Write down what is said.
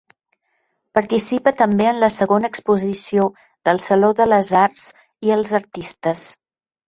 Participa també en la segona exposició del Saló de Les Arts i els Artistes.